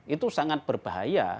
itu sangat berbahaya